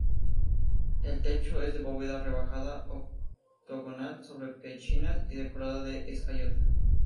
El techo es de bóveda rebajada, octogonal sobre pechinas y decorada de escayola.